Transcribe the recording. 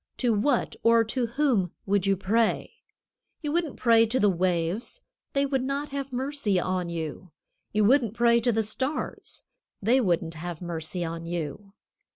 To what or to whom would you pray? You wouldn't pray to the waves. They would not have mercy on you. You wouldn't pray to the stars. They wouldn't have mercy on you.